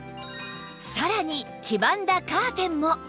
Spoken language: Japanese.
さらに黄ばんだカーテンも